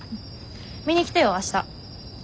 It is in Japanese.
見に来てよ明日。